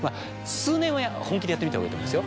数年は本気でやってみたほうがいいと思いますよ。